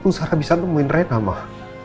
gusara bisa nemuin rena mak